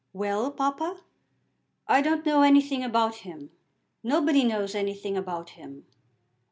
"Well, papa?" "I don't know anything about him. Nobody knows anything about him."